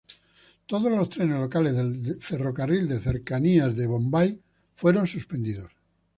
Todos los trenes locales del Ferrocarril de Cercanías de Bombay fueron suspendidos.